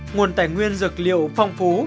nguồn tài nguyên dược liệu phong phú